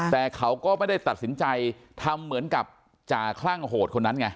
แต่เขาก็ไม่ได้ตัดสินใจทำเหมือนกับจ่าคลั่งโหดคนนั้นไง